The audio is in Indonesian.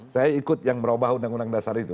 saya ikut yang merubah undang undang dasar itu